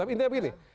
tapi intinya begini